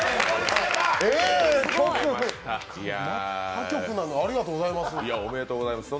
他局なのにありがとうございます。